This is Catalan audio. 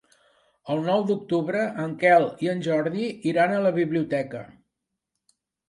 El nou d'octubre en Quel i en Jordi iran a la biblioteca.